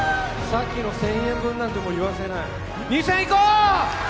さっきの１０００円分なんてもう言わせない２０００いこう！